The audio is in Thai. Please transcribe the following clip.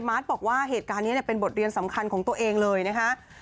บอกว่าเหตุการณ์นี้เป็นบทเรียนสำคัญของตัวเองเลยนะคะ